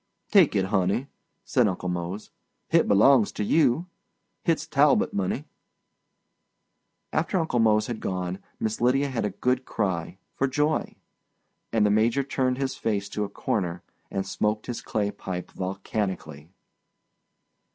"Take it, honey," said Uncle Mose. "Hit belongs to you. Hit's Talbot money." After Uncle Mose had gone, Miss Lydia had a good cry— for joy; and the Major turned his face to a corner, and smoked his clay pipe volcanically.